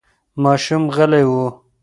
ماشوم غلی و.